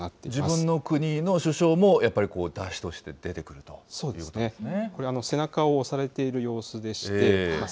自分の国の首相も、やっぱり山車として出てくるということなんですね。